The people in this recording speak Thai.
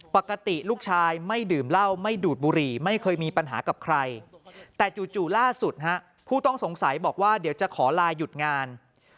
ปกติลูกชายไม่ดื่มเหล้าไม่ดูดบุหรี่ไม่เคยมีปัญหากับใครแต่จู่ล่าสุดฮะผู้ต้องสงสัยบอกว่าเดี๋ยวจะขอลาหยุดงาน